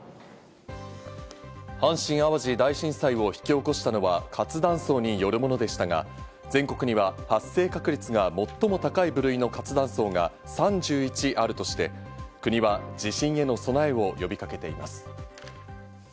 阪神・淡路大震災を引き起こしたのは活断層によるものでしたが、全国には発生確率が最も高い部類の活断層が３１あるとして、国は地震への備えを呼びかけています。